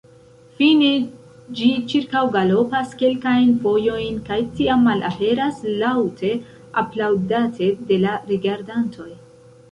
Fine ĝi ĉirkaŭgalopas kelkajn fojojn kaj tiam malaperas, laŭte aplaŭdate de la rigardantoj.